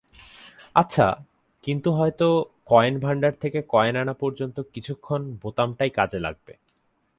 আচ্ছা, কিন্তু হয়তো কয়েন ভান্ডার থেকে কয়েন আনা পর্যন্ত কিছুক্ষণ বোতামটাই কাজে লাগবে।